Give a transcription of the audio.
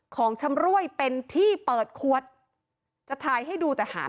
ของชำร่วยเป็นที่เปิดขวด